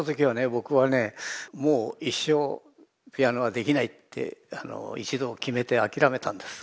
僕はねもう一生ピアノはできないって一度決めて諦めたんです。